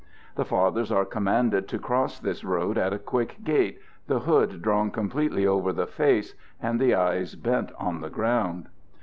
The fathers are commanded to cross this road at a quick gait, the hood drawn completely over the face, and the eyes bent on the ground.